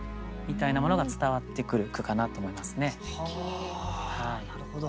あなるほど。